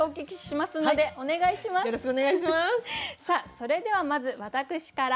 それではまず私から。